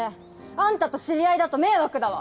アンタと知り合いだと迷惑だわ！